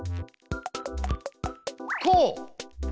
こう。